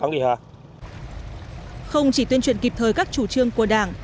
không chỉ tuyên truyền kịp thời các chủ trương của đảng